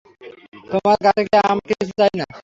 তোমার কাছ থেকে আমার কিছু চাই না।